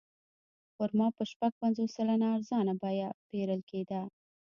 خرما په شپږ پنځوس سلنه ارزانه بیه پېرل کېده.